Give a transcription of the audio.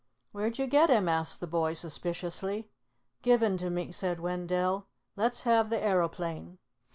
"Where'd you get him?" asked the boy suspiciously. "Given to me," said Wendell. "Let's have the aeroplane."